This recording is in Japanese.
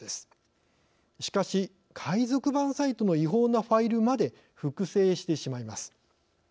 しかし海賊版サイトの違法なファイルまで複製してしまいます。